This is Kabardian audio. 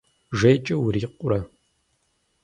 Жейкӏэ урикъурэ?